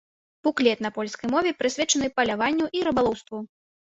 Буклет на польскай мове прысвечаны паляванню і рыбалоўству.